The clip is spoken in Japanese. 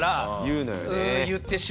うん言ってしまう。